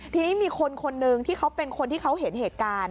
ทีนี้มีคนคนหนึ่งที่เขาเป็นคนที่เขาเห็นเหตุการณ์